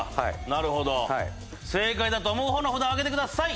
なるほどはいはい正解だと思う方の札をあげてください